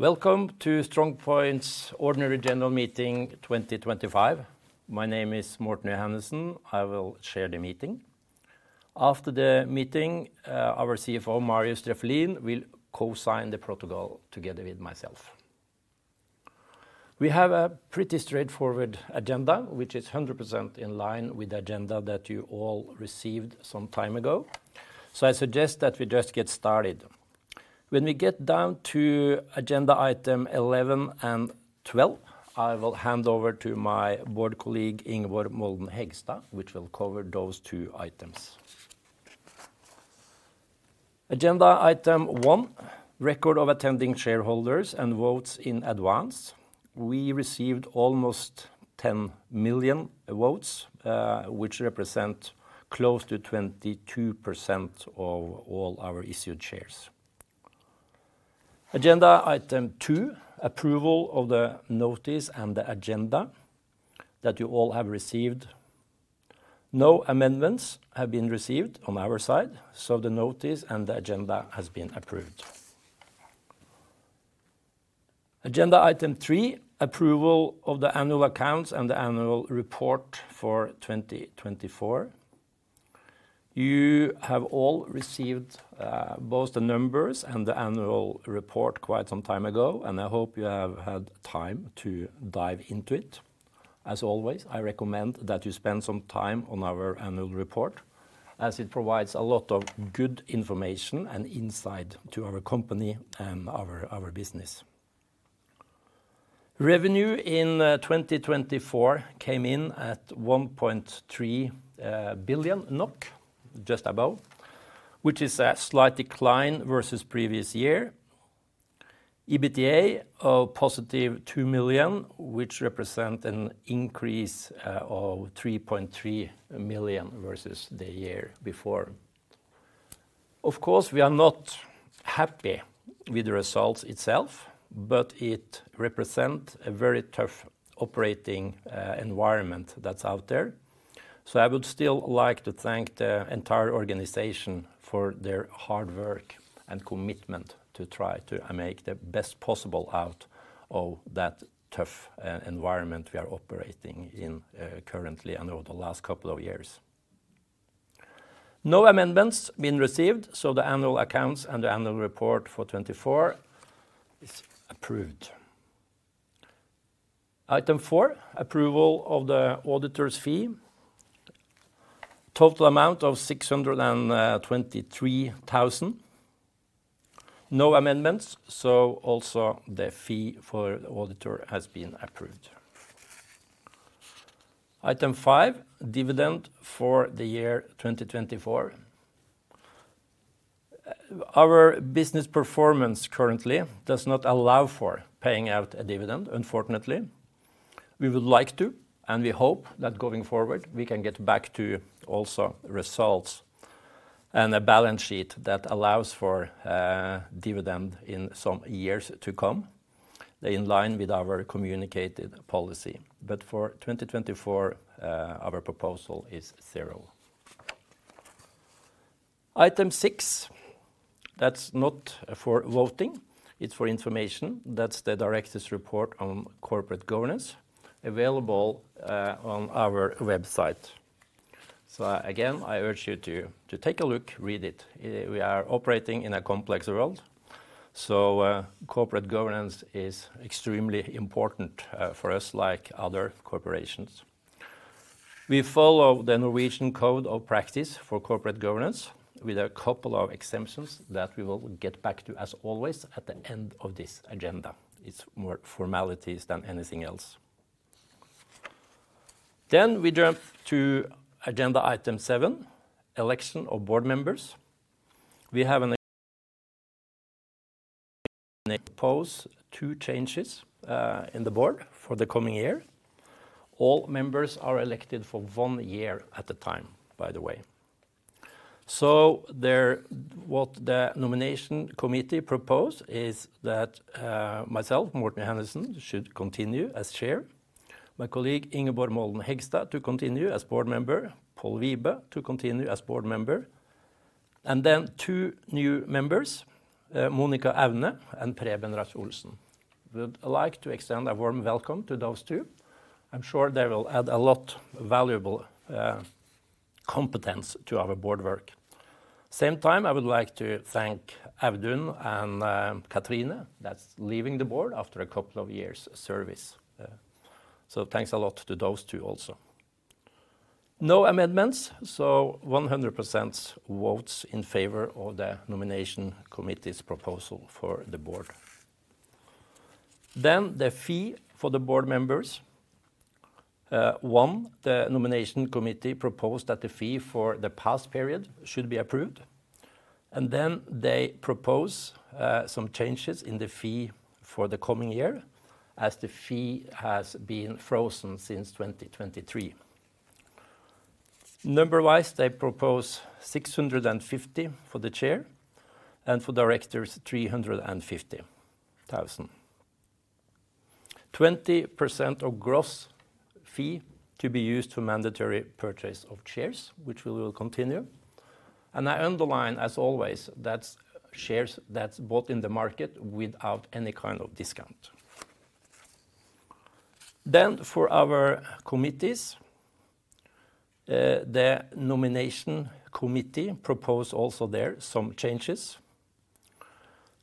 Welcome to StrongPoint's Ordinary General Meeting 2025. My name is Morthen Johannessen. I will chair the meeting. After the meeting, our CFO, Marius Drefvelin, will co-sign the protocol together with myself. We have a pretty straightforward agenda, which is 100% in line with the agenda that you all received some time ago. I suggest that we just get started. When we get down to agenda item 11 and 12, I will hand over to my board colleague, Ingeborg Molden Hegstad, which will cover those two items. Agenda item 1: Record of Attending Shareholders and Votes in Advance. We received almost 10 million votes, which represent close to 22% of all our issued shares. Agenda item 2: Approval of the Notice and the Agenda that you all have received. No amendments have been received on our side, so the Notice and the Agenda have been approved. Agenda item 3: Approval of the Annual Accounts and the Annual Report for 2024. You have all received both the numbers and the Annual Report quite some time ago, and I hope you have had time to dive into it. As always, I recommend that you spend some time on our Annual Report, as it provides a lot of good information and insight to our company and our business. Revenue in 2024 came in at 1.3 billion NOK, just above, which is a slight decline versus the previous year. EBITDA of +2 million, which represents an increase of 3.3 million versus the year before. Of course, we are not happy with the results itself, but it represents a very tough operating environment that's out there. I would still like to thank the entire organization for their hard work and commitment to try to make the best possible out of that tough environment we are operating in currently and over the last couple of years. No amendments have been received, so the Annual Accounts and the Annual Report for 2024 is approved. Item 4: Approval of the Auditor's Fee. Total amount of 623,000. No amendments, so also the fee for the auditor has been approved. Item 5: Dividend for the year 2024. Our business performance currently does not allow for paying out a dividend, unfortunately. We would like to, and we hope that going forward we can get back to also results and a balance sheet that allows for dividend in some years to come. They are in line with our communicated policy, but for 2024, our proposal is zero. Item 6, that's not for voting, it's for information. That's the Directives Report on Corporate Governance available on our website. Again, I urge you to take a look, read it. We are operating in a complex world, so corporate governance is extremely important for us, like other corporations. We follow the Norwegian Code of Practice for Corporate Governance with a couple of exemptions that we will get back to, as always, at the end of this agenda. It's more formalities than anything else. We jump to Agenda Item 7: Election of Board Members. We have and propose two changes in the board for the coming year. All members are elected for one year at a time, by the way. What the nomination committee proposed is that myself, Morthen Johannessen, should continue as Chair, my colleague Ingeborg Molden Hegstad to continue as board member, Pal Wibe to continue as board member, and then two new members, Monica Aune and Preben Rasch-Olsen. We would like to extend a warm welcome to those two. I'm sure they will add a lot of valuable competence to our board work. At the same time, I would like to thank Audun and Cathrine, that's leaving the board after a couple of years' service. Thanks a lot to those two also. No amendments, so 100% votes in favor of the nomination committee's proposal for the board. The fee for the board members. One, the nomination committee proposed that the fee for the past period should be approved, and then they propose some changes in the fee for the coming year, as the fee has been frozen since 2023. Number-wise, they propose 650,000 for the chair and for directors 350,000. 20% of gross fee to be used for mandatory purchase of shares, which we will continue. I underline, as always, that's shares that's bought in the market without any kind of discount. For our committees, the nomination committee proposed also there some changes.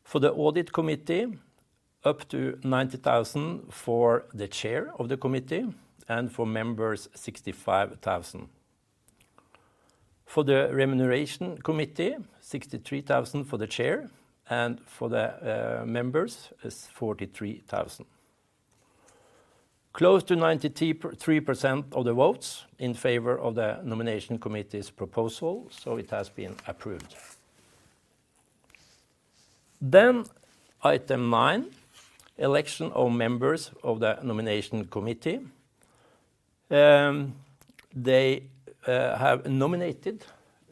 For the audit committee, up to 90,000 for the chair of the committee and for members, 65,000. For the remuneration committee, 63,000 for the chair and for the members is 43,000. Close to 93% of the votes in favor of the nomination committee's proposal, so it has been approved. Item 9, election of members of the nomination committee. They have nominated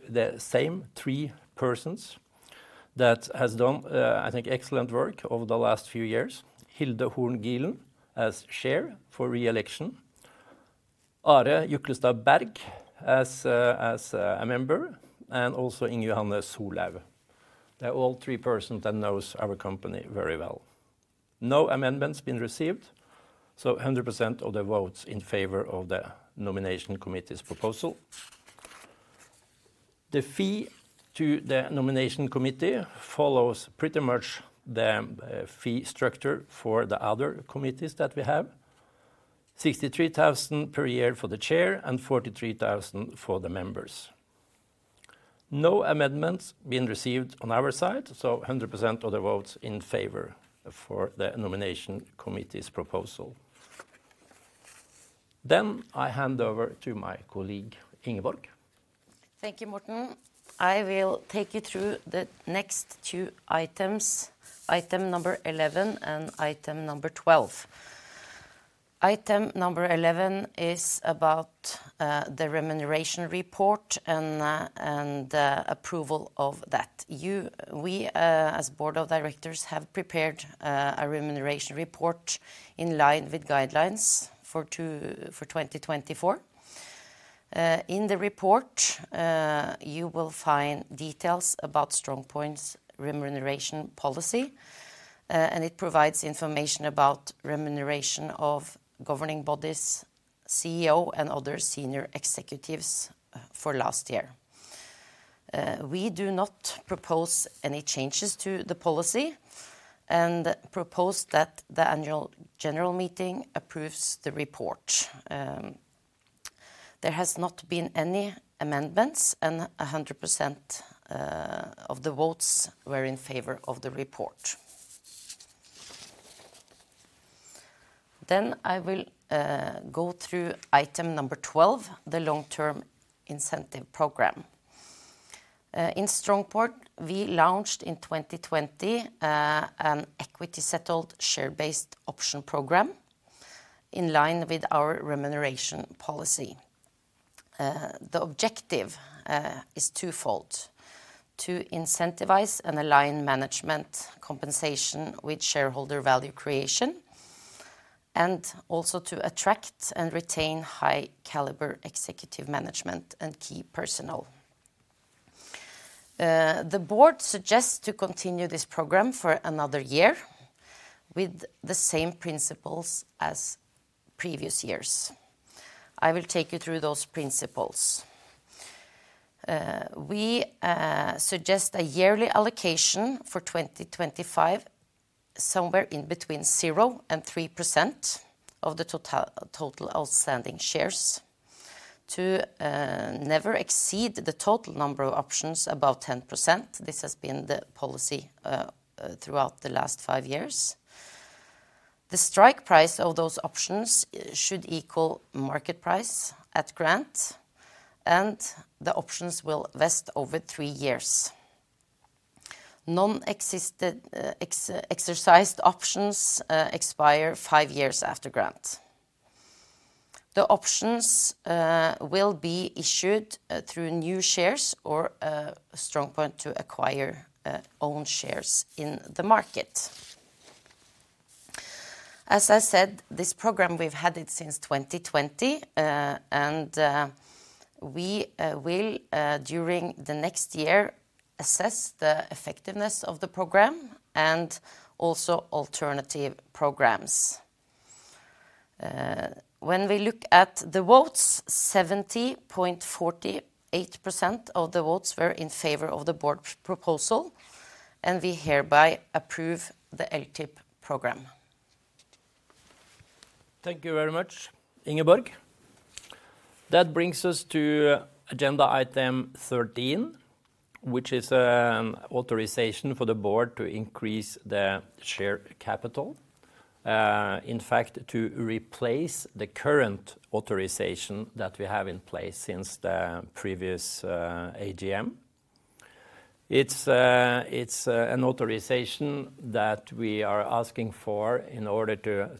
the same three persons that have done, I think, excellent work over the last few years. Hilde Horn-Gilen as chair for re-election. Are Juklestad-Berg as a member and also Inger Johanne Solhaug. They're all three persons that know our company very well. No amendments have been received, so 100% of the votes in favor of the nomination committee's proposal. The fee to the nomination committee follows pretty much the fee structure for the other committees that we have: 63,000 per year for the chair and 43,000 for the members. No amendments have been received on our side, so 100% of the votes in favor for the nomination committee's proposal. I hand over to my colleague Ingeborg. Thank you, Morthen. I will take you through the next two items: Item number 11 and item number 12. Item number 11 is about the remuneration report and the approval of that. We, as board of directors, have prepared a remuneration report in line with guidelines for 2024. In the report, you will find details about StrongPoint's remuneration policy, and it provides information about remuneration of governing bodies, CEO, and other Senior Executives for last year. We do not propose any changes to the policy and propose that the Annual General Meeting approves the report. There have not been any amendments, and 100% of the votes were in favor of the report. I will go through item number 12, the long-term incentive program. In StrongPoint, we launched in 2020 an equity-settled share-based option program in line with our remuneration policy. The objective is twofold: to incentivize and align management compensation with shareholder value creation, and also to attract and retain high-caliber executive management and key personnel. The board suggests to continue this program for another year with the same principles as previous years. I will take you through those principles. We suggest a yearly allocation for 2025, somewhere in between 0-3% of the total outstanding shares, to never exceed the total number of options above 10%. This has been the policy throughout the last five years. The strike price of those options should equal market price at grant, and the options will vest over three years. Non-exercised options expire five years after grant. The options will be issued through new shares or StrongPoint to acquire own shares in the market. As I said, this program, we've had it since 2020, and we will, during the next year, assess the effectiveness of the program and also alternative programs. When we look at the votes, 70.48% of the votes were in favor of the board proposal, and we hereby approve the LTIP program. Thank you very much, Ingeborg. That brings us to Agenda Item 13, which is an authorization for the board to increase the share capital, in fact, to replace the current authorization that we have in place since the previous AGM. It is an authorization that we are asking for in order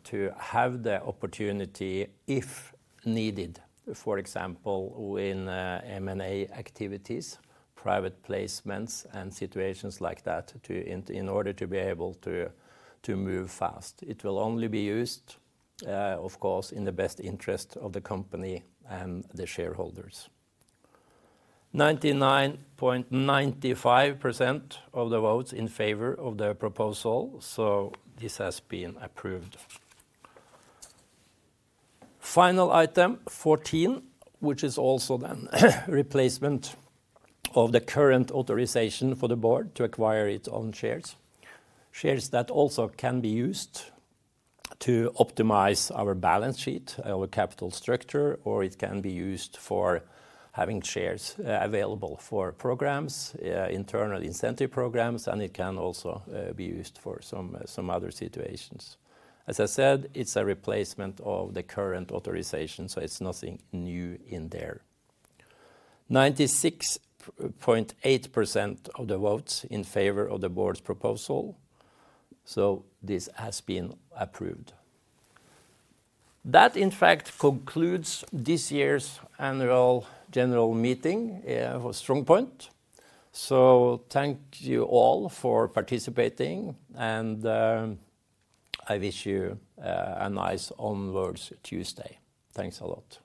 to have the opportunity, if needed, for example, in M&A activities, private placements, and situations like that, in order to be able to move fast. It will only be used, of course, in the best interest of the company and the shareholders. 99.95% of the votes in favor of the proposal, so this has been approved. Final Item 14, which is also then replacement of the current authorization for the board to acquire its own shares, shares that also can be used to optimize our balance sheet, our capital structure, or it can be used for having shares available for programs, internal incentive programs, and it can also be used for some other situations. As I said, it's a replacement of the current authorization, so it's nothing new in there. 96.8% of the votes in favor of the board's proposal, so this has been approved. That, in fact, concludes this year's Annual General Meeting for StrongPoint. Thank you all for participating, and I wish you a nice onwards Tuesday. Thanks a lot. Thank you.